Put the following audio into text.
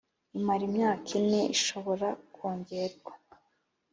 imara imyaka ine ishobora kongerwa